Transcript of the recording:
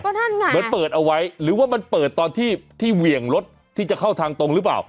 นั่นไงเหมือนเปิดเอาไว้หรือว่ามันเปิดตอนที่ที่เหวี่ยงรถที่จะเข้าทางตรงหรือเปล่า